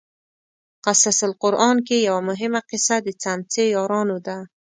قصص القران کې یوه مهمه قصه د څمڅې یارانو ده.